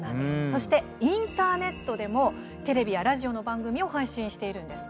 そして、インターネットでもテレビやラジオの番組を配信しているんです。